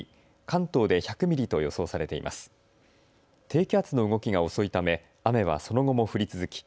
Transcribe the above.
低気圧の動きが遅いため雨はその後も降り続き